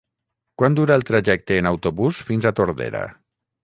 Quant dura el trajecte en autobús fins a Tordera?